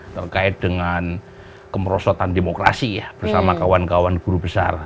terkait dengan kemerosotan demokrasi ya bersama kawan kawan guru besar